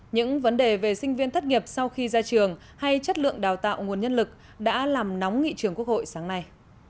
những vấn đề về sinh viên thất nghiệp sau khi ra trường hay chất lượng đào tạo nguồn nhân lực đã làm nóng nghị trường quốc hội sáng nay